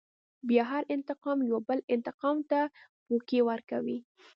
بيا هر انتقام يوه بل انتقام ته پوکی ورکوي.